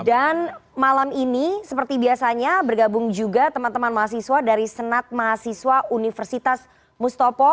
dan malam ini seperti biasanya bergabung juga teman teman mahasiswa dari senat mahasiswa universitas mustopo